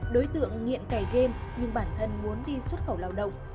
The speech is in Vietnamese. đối tượng nghiện kẻ game nhưng bản thân muốn đi xuất khẩu lao động